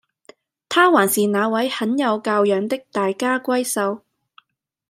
她還是那位很有教養的大家閏秀